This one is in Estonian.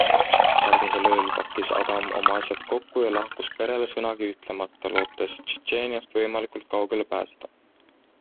Järgmisel ööl pakkis Adam oma asjad kokku ja lahkus perele sõnagi ütlemata, lootes Tšetšeeniast võimalikult kaugele pääseda.